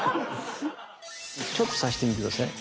ちょっと刺してみて下さい。